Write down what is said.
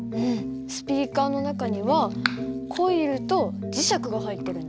スピーカーの中にはコイルと磁石が入ってるんだ。